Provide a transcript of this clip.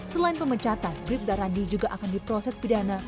selain pemencatan brief daerah ini juga akan diproses pidana